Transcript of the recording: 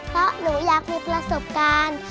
เพราะหนูอยากมีประสบการณ์